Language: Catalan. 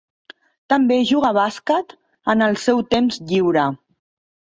També juga a bàsquet en el seu temps lliure.